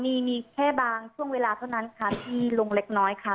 มีมีแค่บางช่วงเวลาเท่านั้นค่ะที่ลงเล็กน้อยค่ะ